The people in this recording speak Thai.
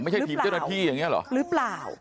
ไม่ใช่ทีมเจ้าหน้าที่อย่างนี้หรือหรือเปล่าหรือเปล่า